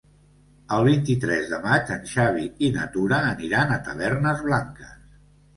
El vint-i-tres de maig en Xavi i na Tura aniran a Tavernes Blanques.